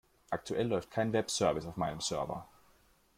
Aktuell läuft kein Webservice auf meinem Server.